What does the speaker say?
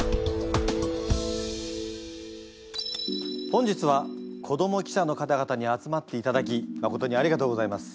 本日は子ども記者の方々に集まっていただきまことにありがとうございます。